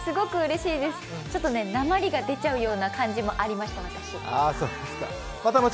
ちょっとなまりが出ちゃうような感じもあります。